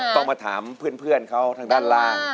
ต้องมาถามเพื่อนเขาทางด้านล่าง